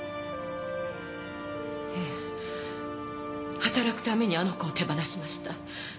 働くためにあの子を手放しました。